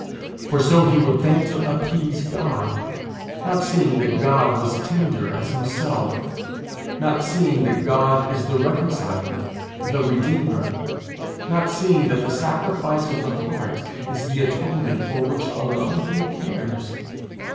For so he would think to appease God, not seeing that God was as tender as himself, not seeing that God is the Reconciler, the Redeemer, not seeing that the sacrifice of the heart is the atonement for which alone he cares.